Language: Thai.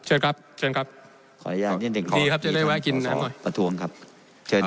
ดีครับจะได้แวะกินน้ำหน่อย